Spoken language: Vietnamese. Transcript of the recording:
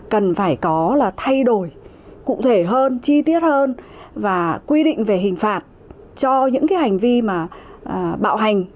cần phải có là thay đổi cụ thể hơn chi tiết hơn và quy định về hình phạt cho những cái hành vi mà bạo hành